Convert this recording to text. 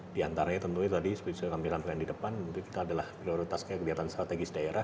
di antaranya tentunya tadi seperti yang di depan kita adalah prioritas kegiatan strategis daerah